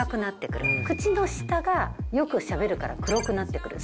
口の下がよくしゃべるから黒くなってくる。